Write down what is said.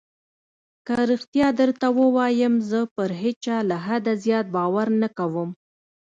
که رښتيا درته ووايم زه پر هېچا له حده زيات باور نه کوم.